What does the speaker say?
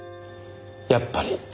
やっぱり。